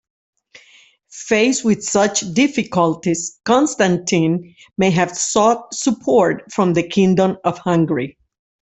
Faced with such difficulties, Constantine may have sought support from the Kingdom of Hungary.